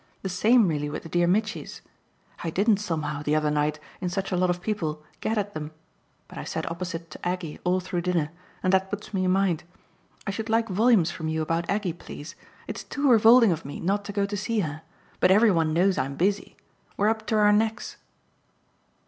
The same really with the dear Mitchys. I didn't somehow, the other night, in such a lot of people, get at them. But I sat opposite to Aggie all through dinner, and that puts me in mind. I should like volumes from you about Aggie, please. It's too revolting of me not to go to see her. But every one knows I'm busy. We're up to our necks!"